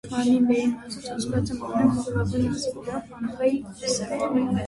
Մարմնի վերին մասը ծածկված է մանր, մոխրագույն մազիկներով, անփայլ, սև։